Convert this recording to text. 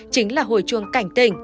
chính là hồi chuông cảnh tình